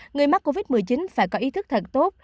người mắc covid một mươi chín phải có ý thức thật tốt